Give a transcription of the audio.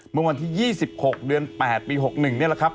เมื่อวันที่๒๖เดือน๘ปี๖๑นี่แหละครับ